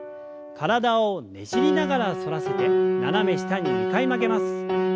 体をねじりながら反らせて斜め下に２回曲げます。